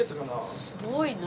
すごいな。